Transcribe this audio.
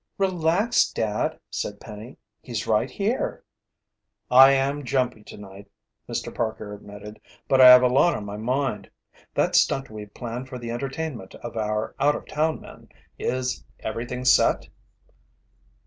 "Relax, Dad," said Penny. "He's right here." "I am jumpy tonight," Mr. Parker admitted, "but I have a lot on my mind. That stunt we've planned for the entertainment of our out of town men is everything set?"